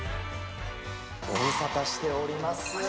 ご無沙汰しております。